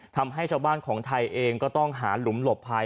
ทำให้ชาวบ้านของไทยเองก็ต้องหาหลุมหลบภัย